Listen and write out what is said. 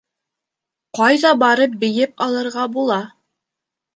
Ҡайҙа барып бейеп алырға була?